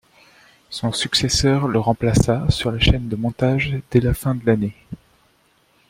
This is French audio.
Son successeur le remplaça sur les chaînes de montage dès la fin de l'année.